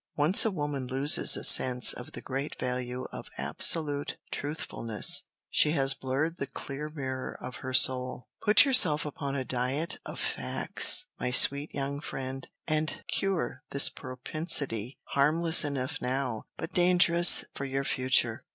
Once a woman loses a sense of the great value of absolute truthfulness, she has blurred the clear mirror of her soul. Put yourself upon a diet of facts, my sweet young friend, and cure this propensity, harmless enough now, but dangerous for your future.